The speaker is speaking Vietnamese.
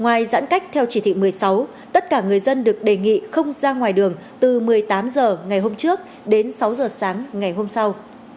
ngoài giãn cách theo chỉ thị một mươi sáu tất cả người dân được đề nghị không ra ngoài đường từ một mươi tám h ngày hôm trước đến sáu h sáng ngày hôm sau